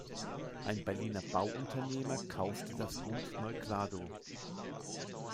Ein Berliner Bauunternehmer kaufte das Gut Neu-Kladow.